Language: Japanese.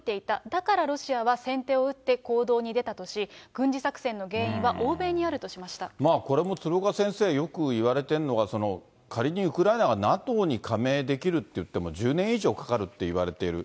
だからロシアは先手を打って行動に出たとし、軍事作戦の原因は欧これも鶴岡先生、よくいわれてるのが、仮にウクライナがＮＡＴＯに加盟できるっていっても１０年以上かかるっていわれている。